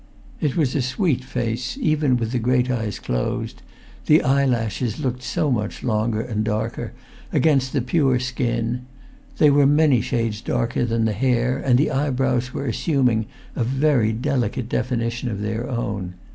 It was a sweet face, even with the great eyes closed; the eyelashes looked so much longer and darker against the pure skin; they were many shades darker than the hair; and the eyebrows were assuming a very delicate definition of their own.